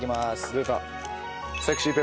出た。